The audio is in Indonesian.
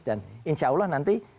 dan insya allah nanti